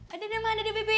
ada di mana deh bebe